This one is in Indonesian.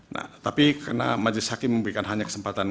nah tapi karena majelis hakim memberikan hanya kesempatan